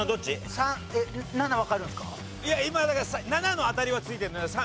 いや今だから７の当たりはついてるのよ。